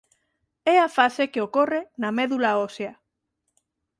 É a fase que ocorre na medula ósea.